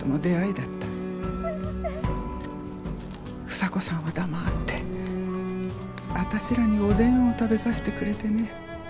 房子さんは黙ってあたしらにおでんを食べさせてくれてね。